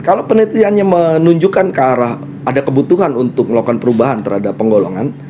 kalau penelitiannya menunjukkan ke arah ada kebutuhan untuk melakukan perubahan terhadap penggolongan